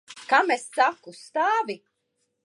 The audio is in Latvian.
Kam es saku? Stāvi!